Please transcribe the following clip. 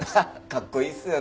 かっこいいっすよね。